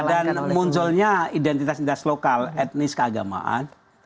dan munculnya identitas identitas lokal etnis keagamaan